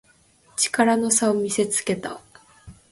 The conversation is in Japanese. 力の差を見せつけた